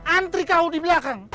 antri kau di belakang